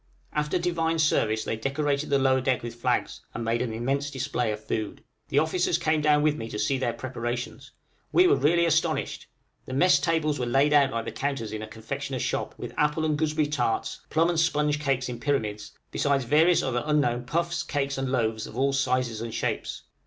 After Divine Service they decorated the lower deck with flags, and made an immense display of food. The officers came down with me to see their preparations. We were really astonished! The mess tables were laid out like the counters in a confectioner's shop, with apple and gooseberry tarts, plum and sponge cakes in pyramids, besides various other unknown puffs, cakes, and loaves of all sizes and shapes.